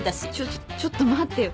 ちょちょっと待ってよ。